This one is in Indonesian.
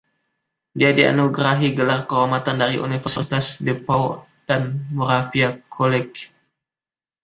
Dia dianugerahi gelar kehormatan dari Universitas DePauw dan Moravian College.